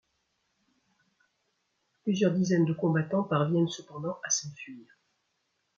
Plusieurs dizaines de combattants parviennent cependant à s'enfuir.